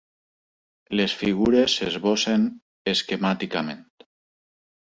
Les figures s'esbossen esquemàticament.